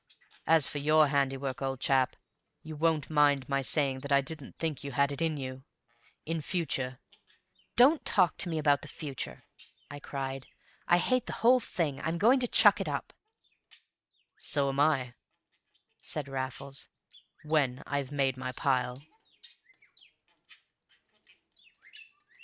As for YOUR handiwork, old chap, you won't mind my saying that I didn't think you had it in you. In future " "Don't talk to me about the future!" I cried. "I hate the whole thing! I'm going to chuck it up!" "So am I," said Raffles, "when I've made my pile."